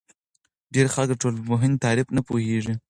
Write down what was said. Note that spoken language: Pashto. ډېری خلک د ټولنپوهنې تعریف نه پوهیږي.